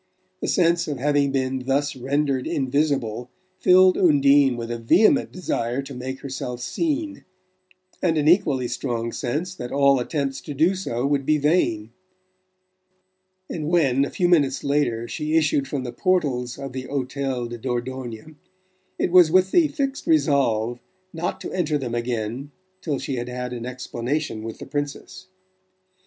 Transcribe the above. The sense of having been thus rendered invisible filled Undine with a vehement desire to make herself seen, and an equally strong sense that all attempts to do so would be vain; and when, a few minutes later, she issued from the portals of the Hotel de Dordogne it was with the fixed resolve not to enter them again till she had had an explanation with the Princess.